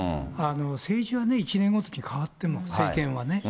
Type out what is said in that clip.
政治は１年ごとにかわっても、政権はね。